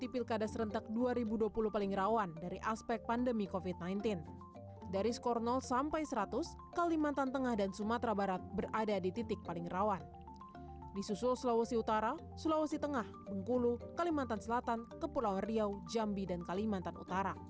badan pengawas pemilu